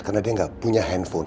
karena dia gak punya handphone